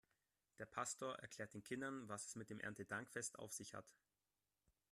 Der Pastor erklärt den Kindern, was es mit dem Erntedankfest auf sich hat.